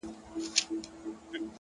هره هڅه د ځان نږدې کول دي